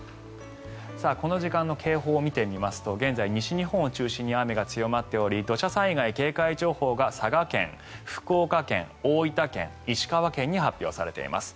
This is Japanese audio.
この時間の警報を見てみますと現在、西日本を中心に雨が強まっており土砂災害警戒情報が佐賀県、福岡県大分県、石川県に発表されています。